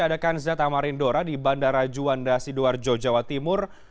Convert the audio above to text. ada kanza tamarindora di bandara juanda sidoarjo jawa timur